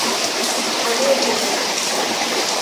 আমিও ঠিক আছি।